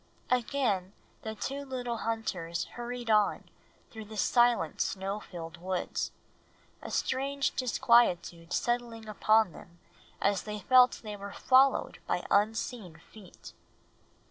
Again the two little hunters hurried on through the silent, snow filled woods, a strange disquietude settling upon them as they felt they were followed by unseen feet.